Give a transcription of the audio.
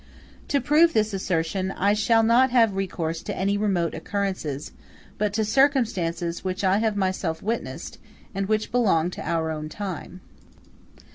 To prove this assertion I shall not have recourse to any remote occurrences, but to circumstances which I have myself witnessed, and which belong to our own time.